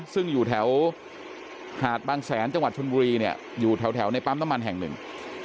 ซึ่งอยู่แถวหาดบางแสนจังหวัดชนบุรีเนี่ยอยู่แถวในปั๊มน้ำมันแห่งหนึ่ง